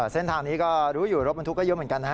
เส้นทางนี้ก็รู้อยู่รถบรรทุกก็เยอะเหมือนกันนะฮะ